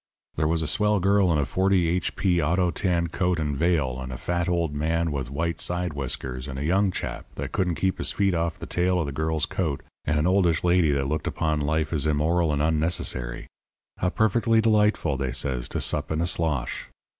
There was a swell girl in a 40 H. P. auto tan coat and veil, and a fat old man with white side whiskers, and a young chap that couldn't keep his feet off the tail of the girl's coat, and an oldish lady that looked upon life as immoral and unnecessary. 'How perfectly delightful,' they says, 'to sup in a slosh.'